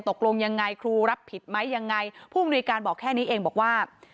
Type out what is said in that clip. ตกลงยังไงครูรับผิดไหมยังไงผู้มนุยการบอกแค่นี้เองบอกว่า